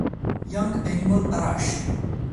Young Animal Arashi